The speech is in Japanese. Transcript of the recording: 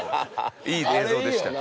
いい映像でしたね。